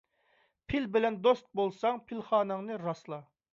پىل بىلەن دوست بولساڭ، پىلخاناڭنى راسلا.